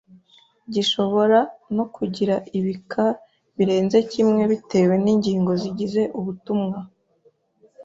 gishobora no kugira ibika birenze kimwe bitewe n’ingingo zigize ubutumwa.